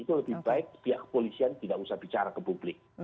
itu lebih baik pihak kepolisian tidak usah bicara ke publik